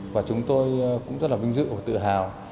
và chúng tôi cũng rất là vinh dự và tự hào